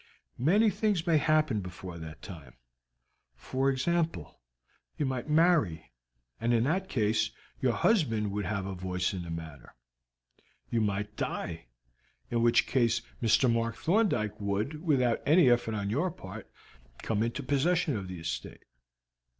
Many things may happen before that time; for example, you might marry, and in that case your husband would have a voice in the matter; you might die, in which case Mr. Mark Thorndyke would, without any effort on your part, come into possession of the estate.